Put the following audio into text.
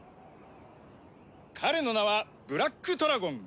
彼の名はブラックトラゴン。